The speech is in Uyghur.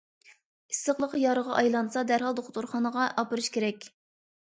ئىسسىقلىق يارىغا ئايلانسا، دەرھال دوختۇرخانىغا ئاپىرىش كېرەك.